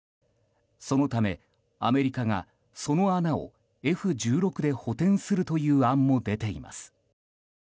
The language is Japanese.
そのため、アメリカがその穴をＦ１６で補填するという案も出ています。